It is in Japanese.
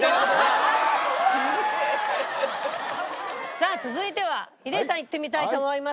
さあ続いてはヒデさんいってみたいと思います。